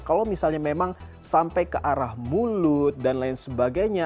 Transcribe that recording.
kalau misalnya memang sampai ke arah mulut dan lain sebagainya